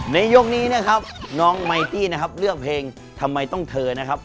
ยกนี้นะครับน้องไมตี้นะครับเลือกเพลงทำไมต้องเธอนะครับ